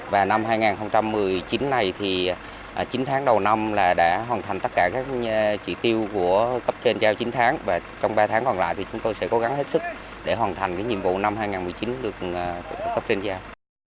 và năm hai nghìn một mươi chín này thì chín tháng đầu năm là đã hoàn thành tất cả các chỉ tiêu của cấp trên giao chín tháng và trong ba tháng còn lại thì chúng tôi sẽ cố gắng hết sức để hoàn thành nhiệm vụ năm hai nghìn một mươi chín được cấp trên giao